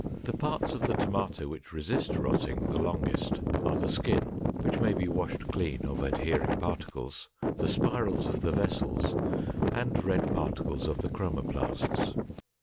The parts of the tomato which resist rotting the longest are the skin, which may be washed clean of adhering particles, the spirals of the vessels, and red particles of the chromoplasts.